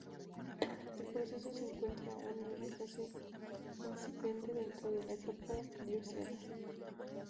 El proceso se encuentra aun en una fase incipiente dentro de la etapa diocesana.